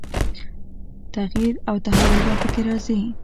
تغییر او تحول به په کې راځي.